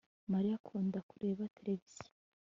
mariya akunda kureba televiziyo